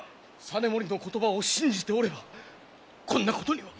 実盛の言葉を信じておればこんなことには。